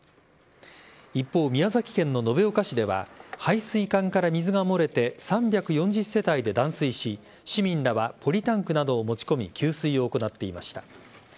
一方、宮崎県延岡市では配水管から水が漏れて３４０世帯が断水し市民らはポリタンクなどを持ち込み給水を行っていました。